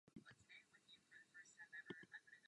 V těchto věcech jsme ve stálém kontaktu s íránskými orgány.